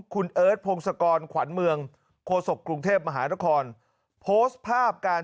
คุณเอิร์ทพงศกรขวัญเมืองโคศกกรุงเทพมหานครโพสต์ภาพการ